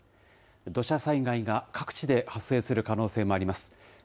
土砂災害が各地で発生する可能性もあります。